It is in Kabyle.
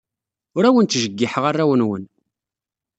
Ur awen-ttjeyyiḥeɣ arraw-nwen.